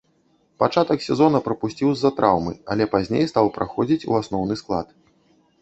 Пачатак сезона прапусціў з-за траўмы, але пазней стаў праходзіць у асноўны склад.